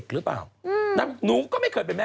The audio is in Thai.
พูดมาว่าผู้จัดการก็งง